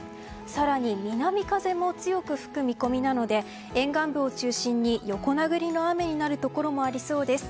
更に南風も強く吹く見込みなので沿岸部を中心に横殴りの雨になるところもありそうです。